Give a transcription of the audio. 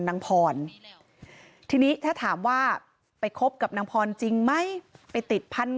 นางพรทีนี้ถ้าถามว่าไปคบกับนางพรจริงไหมไปติดพัน